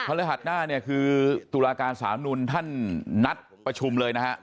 ฤหัสหน้าเนี่ยคือตุลาการสามนุนท่านนัดประชุมเลยนะฮะ